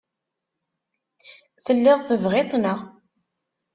Telliḍ tebɣiḍ-tt, naɣ?